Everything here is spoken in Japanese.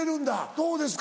どうですか？